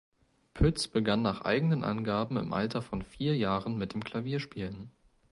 Pütz begann nach eigenen Angaben im Alter von vier Jahren mit dem Klavierspielen.